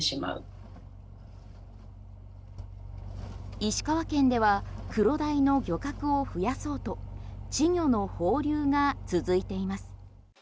石川県ではクロダイの漁獲を増やそうと稚魚の放流が続いています。